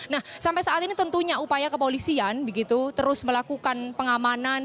nah sampai saat ini tentunya upaya kepolisian begitu terus melakukan pengamanan